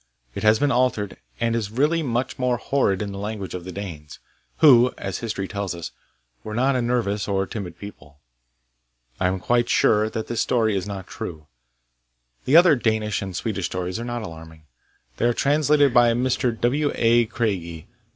It has been altered, and is really much more horrid in the language of the Danes, who, as history tells us, were not a nervous or timid people. I am quite sure that this story is not true. The other Danish and Swedish stories are not alarming. They are translated by Mr. W. A. Craigie.